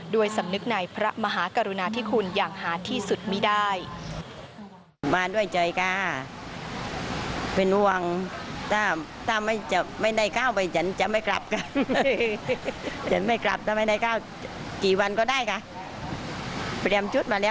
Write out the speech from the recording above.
ด้วยสำนึกในพระมหากรุณาธิคุณอย่างหาที่สุดไม่ได้